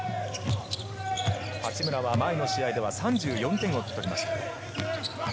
八村は前の試合では３４点を入れました。